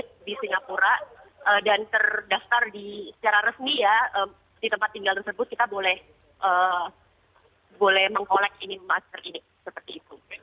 kita di singapura dan terdaftar secara resmi ya di tempat tinggal tersebut kita boleh mengkolek masker ini seperti itu